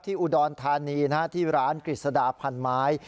อุดรธานีที่ร้านกฤษดาพันไม้